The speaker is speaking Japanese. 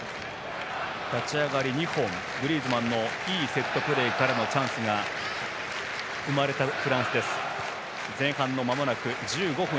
立ち上がり、２本グリーズマンのいいセットプレーからのチャンスが生まれたフランスです。